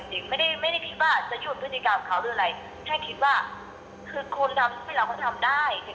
อย่างคือไม่ได้คิดว่าจะหยุดภูติการของเขาหรืออะไรแค่คิดว่าคืนควรกับที่จะเป็นสินแล้วค้นทำได้สิน